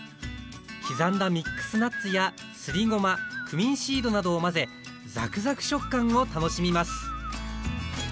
刻んだミックスナッツやすりごまクミンシードなどを混ぜザクザク食感を楽しみます